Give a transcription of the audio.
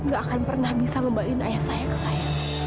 gak akan pernah bisa ngebalin ayah saya ke saya